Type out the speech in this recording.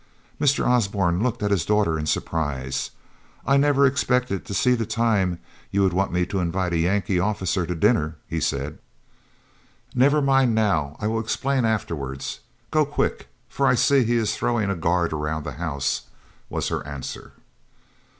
Mr. Osborne looked at his daughter in surprise. "I never expected to see the time you would want me to invite a Yankee officer to dinner," he said. "Never mind now, I will explain afterwards. Go quick, for I see he is throwing a guard around the house," was her answer.